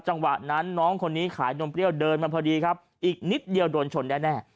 จังหวะนั้นน้องคนนี้ขายนมเปรี้ยวเดินมาพอดีครับอีกนิดเดียวโดนชนแน่